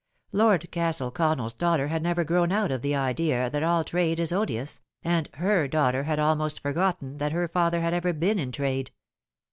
Lord Castle Con nell's daughter had never grown out of the idea that all trade is odious, and her daughter had almost forgotten that her father had ever been in trade.